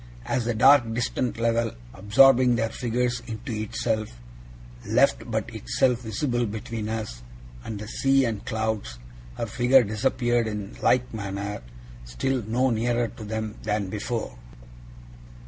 As the dark distant level, absorbing their figures into itself, left but itself visible between us and the sea and clouds, her figure disappeared in like manner, still no nearer to them than before.